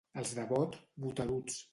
Els de Bot, boteruts.